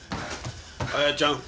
あやちゃん。